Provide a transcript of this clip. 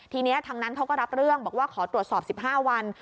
ทีนี้ทางนั้นเขาก็รับเรื่องบอกว่าขอตรวจสอบ๑๕วัน